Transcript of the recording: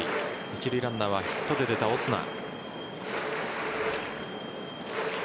一塁ランナーはヒットで出たオスナ。